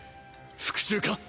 復讐か？